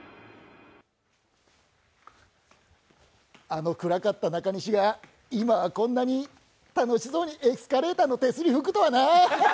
あの暗かった中西が、今はこんなに楽しそうにエスカレーターの手すり拭くとはな。